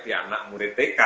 ya anak murid tk